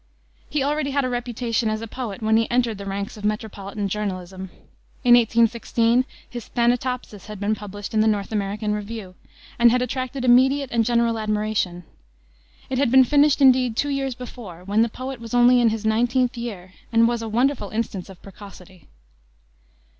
He already had a reputation as a poet when he entered the ranks of metropolitan journalism. In 1816 his Thanatopsis had been published in the North American Review, and had attracted immediate and general admiration. It had been finished, indeed, two years before, when the poet was only in his nineteenth year, and was a wonderful instance of precocity.